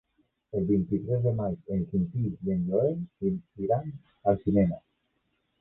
El vint-i-tres de maig en Quintí i en Joel iran al cinema.